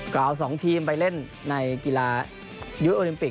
ก็เอา๒ทีมไปเล่นในกีฬายุคโอลิมปิก